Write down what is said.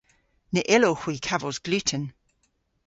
Ny yllowgh hwi kavos gluten.